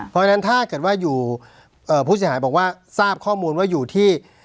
เพราะฉะนั้นถ้าเกิดว่าอยู่ผู้เสียหายบอกว่าทราบข้อมูลว่าอยู่ที่